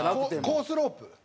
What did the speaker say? コースロープ。